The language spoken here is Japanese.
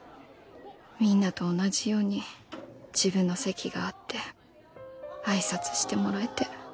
みんなと同じように自分の席があって挨拶してもらえて。